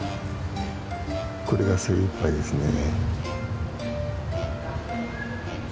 これが精いっぱいですね。